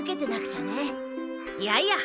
いやいや。